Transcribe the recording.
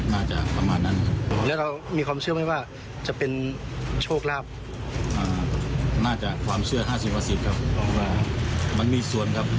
น่าจะความเชื่อ๕๐๕๐ครับมันมีส่วนครับ